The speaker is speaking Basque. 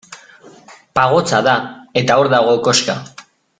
Pagotxa da, eta hor dago koxka.